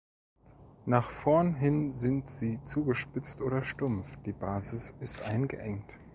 Nach vorn hin sind sie zugespitzt oder stumpf, die Basis ist eingeengt.